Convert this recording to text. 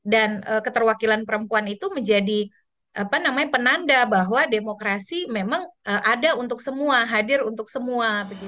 dan keterwakilan perempuan itu menjadi penanda bahwa demokrasi memang ada untuk semua hadir untuk semua